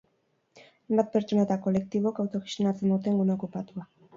Hainbat pertsona eta kolektibok autogestionatzen duten gune okupatua.